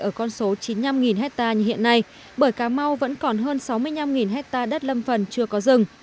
ở con số chín mươi năm hectare như hiện nay bởi cà mau vẫn còn hơn sáu mươi năm hectare đất lâm phần chưa có rừng